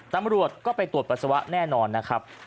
ตำรวจก็ไปตรวจปัสสาวะแน่นอนนะครับ